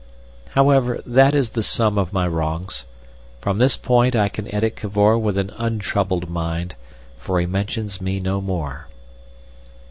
_ However, that is the sum of my wrongs. From this point I can edit Cavor with an untroubled mind, for he mentions me no more.